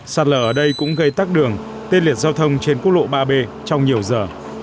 sạt lở ở đây cũng gây tắc đường tên liệt giao thông trên quốc lộ ba b trong nhiều giờ